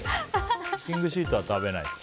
クッキングシートは食べれないです。